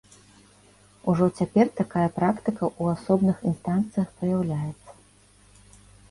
Ужо цяпер такая практыка ў асобных інстанцыях праяўляецца.